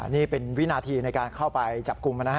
นี่เป็นวินาทีในการเข้าไปจับกลุ่มนะฮะ